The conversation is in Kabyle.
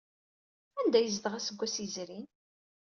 Anda ay yezdeɣ aseggas yezrin?